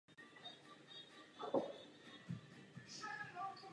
Dopadla však příliš rychle.